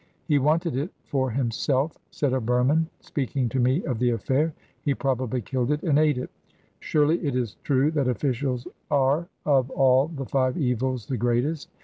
'He wanted it for himself,' said a Burman, speaking to me of the affair. 'He probably killed it and ate it. Surely it is true that officials are of all the five evils the greatest.'